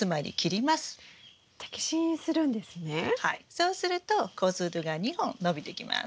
そうすると子づるが２本伸びてきます。